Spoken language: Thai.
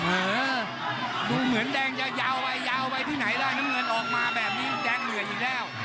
เออดูเหมือนแดงยาวไว้ยาวไว้ที่ไหนแล้วน้ำเงินออกมาแบบนี้แดงเหนื่อยอีกแล้ว